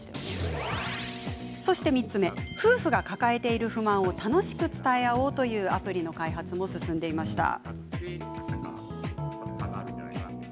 そして、もう１つ夫婦が抱えている不満を楽しく伝え合おうというアプリの開発も進んでいました。